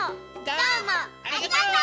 どうもありがとう！